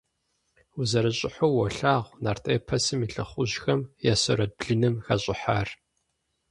УзэрыщӀыхьэу уолъагъу нарт эпосым и лӀыхъужьхэм я сурэт блыным хэщӀыхьар.